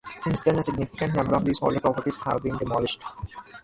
Since then, a significant number of these older properties have been demolished.